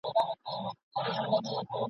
پرانيزي او الهام ورکوي !.